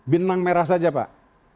benang merah saja pak